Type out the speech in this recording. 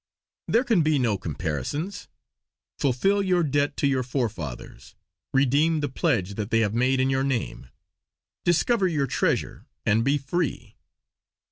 There can be no comparisons. Fulfill your debt to your forefathers! Redeem the pledge that they have made in your name! Discover your treasure; and be free!'"